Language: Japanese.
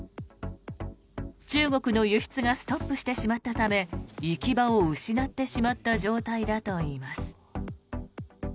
中国の輸出がストップしてしまったため行き場を失ってしまった状態だといいます。